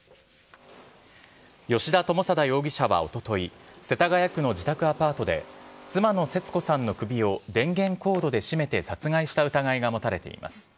吉田友貞容疑者はおととい、世田谷区の自宅アパートで、妻の節子さんの首を電源コードで絞めて殺害した疑いが持たれています。